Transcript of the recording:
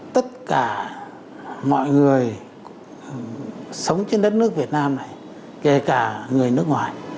tất cả mọi người sống trên đất nước việt nam này kể cả người nước ngoài